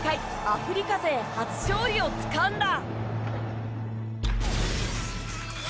アフリカ勢初勝利をつかんだ。